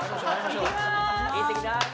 いってきます。